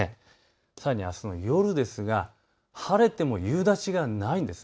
さらにあすの夜ですが晴れても夕立がないんです。